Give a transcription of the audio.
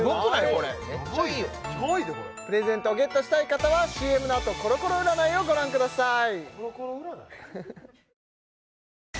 これめっちゃいいよプレゼントをゲットしたい方はＣＭのあとコロコロ占いをご覧ください